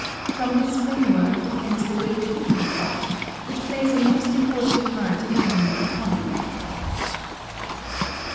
From this framework depends the great cooking pot, which plays a most important part in Aino economy.